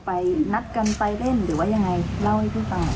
นัดกันไปเล่นหรือว่ายังไงเล่าให้พี่ฟังหน่อย